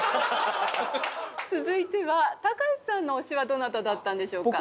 続いてはたかしさんの推しはどなただったんでしょうか？